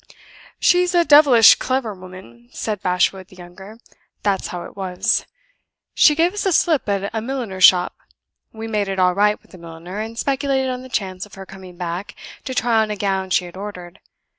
"She's a devilish clever woman," said Bashwood the younger; "that's how it was. She gave us the slip at a milliner's shop. We made it all right with the milliner, and speculated on the chance of her coming back to try on a gown she had ordered.